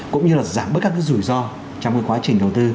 cũng như là giảm bất cứ rủi ro trong quá trình đầu tư